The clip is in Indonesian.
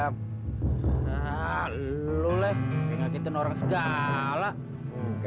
tidak ada usaha lagi